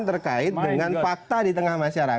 terkait dengan fakta di tengah masyarakat